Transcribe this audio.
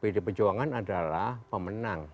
pdi perjuangan adalah pemenang